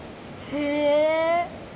へえ。